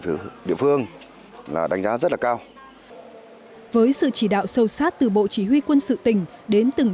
từ địa phương là đánh giá rất là cao với sự chỉ đạo sâu sát từ bộ chỉ huy quân sự tỉnh đến từng